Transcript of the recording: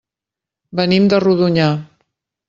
Venim de Rodonyà.